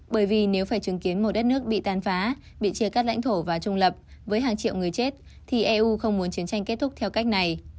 bởi vì nếu phải chứng kiến một đất nước bị tàn phá bị chia cắt lãnh thổ và trung lập với hàng triệu người chết thì eu không muốn chiến tranh kết thúc theo cách này